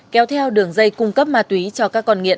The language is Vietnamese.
kéo theo đường dây cung cấp ma túy cho các con nghiện